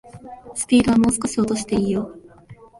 スピードはもう少し落としていいよ